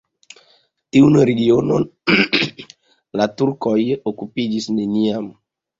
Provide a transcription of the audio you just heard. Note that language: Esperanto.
Tiun regionon la turkoj okupis neniam.